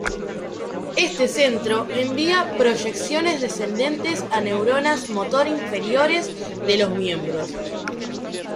Este centro envía proyecciones descendentes a neuronas motor inferiores de los miembros.